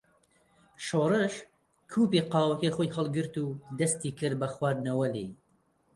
شۆڕش کووپی قاوەکەی خۆی هەڵگرت و دەستی کرد بە خواردنەوە لێی.